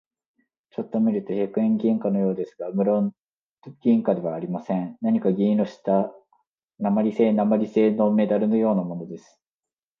ちょっと見ると百円銀貨のようですが、むろん銀貨ではありません。何か銀色をした鉛製なまりせいのメダルのようなものです。